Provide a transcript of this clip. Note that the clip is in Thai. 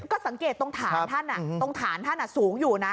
ก็สังเกตตรงฐานท่านตรงฐานท่านสูงอยู่นะ